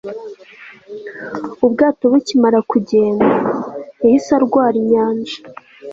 ubwato bukimara kugenda, yahise arwara inyanja